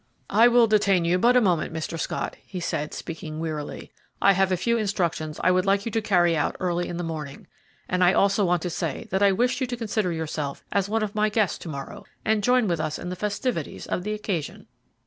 "I will detain you but a moment, Mr. Scott," he said, speaking wearily; "I have a few instructions I would like you to carry out early in the morning; and I also want to say that I wish you to consider yourself as one of my guests to morrow, and join with us in the festivities of the occasion."